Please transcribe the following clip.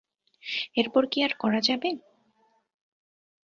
এরপর কি আর করা যাবে?